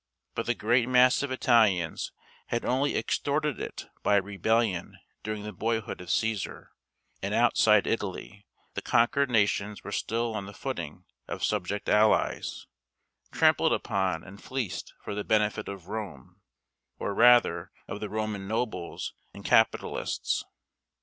But the great mass of Italians had only extorted it by rebellion during the boyhood of Cæsar, and outside Italy, the conquered nations were still on the footing of subject allies, trampled upon and fleeced for the benefit of Rome, or rather of the Roman nobles and capitalists.